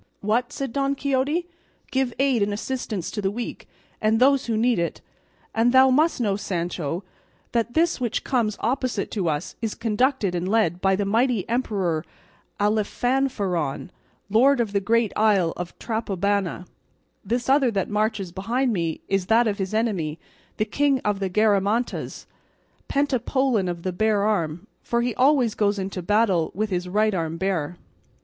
"What?" said Don Quixote: "give aid and assistance to the weak and those who need it; and thou must know, Sancho, that this which comes opposite to us is conducted and led by the mighty emperor Alifanfaron, lord of the great isle of Trapobana; this other that marches behind me is that of his enemy the king of the Garamantas, Pentapolin of the Bare Arm, for he always goes into battle with his right arm bare."